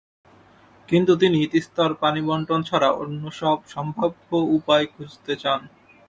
কিন্তু তিনি তিস্তার পানিবণ্টন ছাড়া অন্য সব সম্ভাব্য উপায় খুঁজতে চান।